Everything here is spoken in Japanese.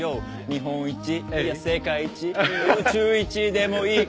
「日本一いや世界一いや宇宙一でもいい感じ」